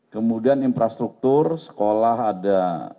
kemudian infrastruktur sekolah ada tiga ratus sembilan puluh delapan